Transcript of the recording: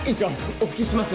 お拭きします。